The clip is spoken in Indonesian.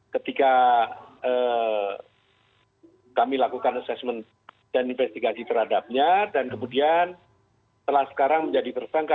ketika kami lakukan assessment dan investigasi terhadapnya dan kemudian telah sekarang menjadi tersangka